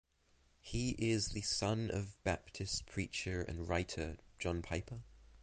He is the son of Baptist preacher and writer John Piper.